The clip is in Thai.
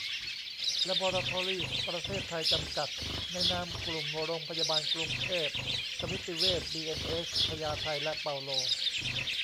แลบอราทอรีส์ ประเทศไทย จำกัด ในนามกลุ่มโรงพยาบาลกรุงเทพ สมิติเวช บีเอ็นเอช พญาไท และเปาโล